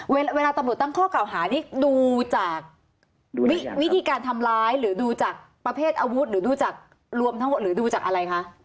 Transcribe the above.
เวลาตำรวจตั้งข้อเก่าหานี่ดูจากวิธีการทำร้ายหรือดูจากประเภทอาวุธหรือดูจากรวมทั้งหมดหรือดูจากอะไรคะ